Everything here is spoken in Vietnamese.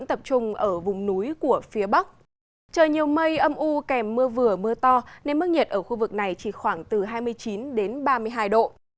trời nhiều mây âm u kèm mưa vừa mưa to nên mức nhiệt ở khu vực này chỉ khoảng từ hai mươi chín đến ba mươi hai độ